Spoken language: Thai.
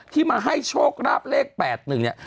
ที่มาให้โชคราบเลข๘๑เนี่ย